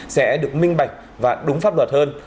sẽ được minh bạch và đúng pháp luật hơn